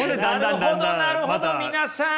なるほどなるほど皆さん！